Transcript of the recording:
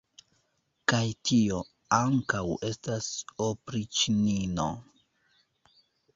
Kaj tio ankaŭ estas opriĉnino!